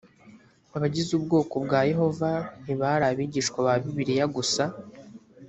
abagize ubwoko bwa yehova ntibari abigishwa ba bibiliya gusa